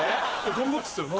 頑張ってたよな。